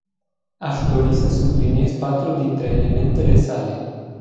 Aș dori să subliniez patru dintre elementele sale.